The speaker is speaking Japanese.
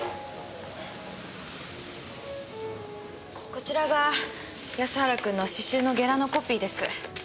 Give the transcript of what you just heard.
こちらが安原君の詩集のゲラのコピーです。